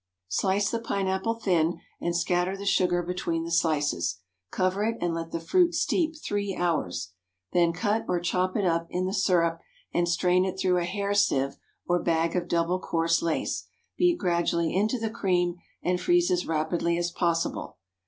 Slice the pine apple thin, and scatter the sugar between the slices. Cover it, and let the fruit steep three hours. Then cut, or chop it up in the syrup, and strain it through a hair sieve or bag of double coarse lace. Beat gradually into the cream, and freeze as rapidly as possible.